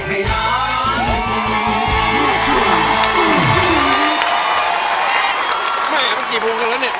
เข้าให้เรียบรอบ